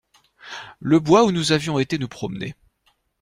Le bois où nous avions été nous promener.